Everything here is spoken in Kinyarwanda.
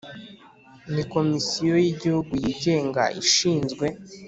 ni Komisiyo y Igihugu yigenga ishinzwe